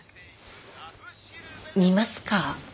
見ますか？